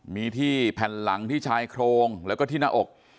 มีที่แผ่นหลังที่ชายโครงแล้วก็ที่หน้าอก